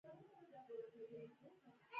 هغه هغې ته په درناوي د شګوفه کیسه هم وکړه.